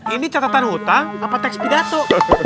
ini catatan utang apa tekst pidato